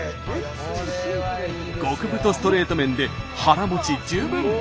極太ストレート麺で腹もち十分！